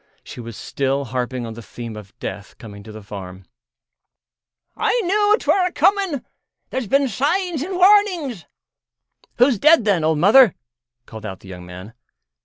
She was still harping on the theme of death coming to the farm. "I knew 'twere a coming. There's been signs an' warnings." "Who's dead, then, old Mother?" called out the young man.